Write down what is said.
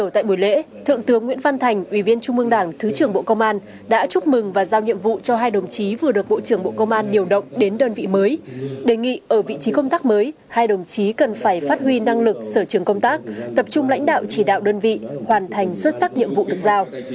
tại buổi lễ thứ trưởng nguyễn văn thành đã chúc mừng thiếu tướng nguyễn như tuấn trên cương vị giám đốc công an tỉnh thái nguyên đã hoàn thành xuất sắc nhiệm vụ được giao